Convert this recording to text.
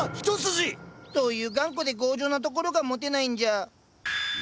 そういう頑固で強情なところがモテないんじゃ？